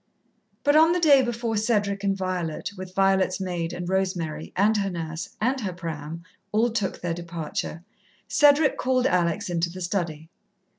But on the day before Cedric and Violet, with Violet's maid, and Rosemary, and her nurse, and her pram, all took their departure, Cedric called Alex into the study.